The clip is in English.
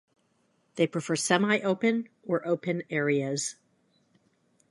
They prefer semi-open or open areas.